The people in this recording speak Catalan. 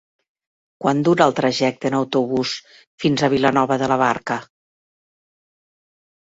Quant dura el trajecte en autobús fins a Vilanova de la Barca?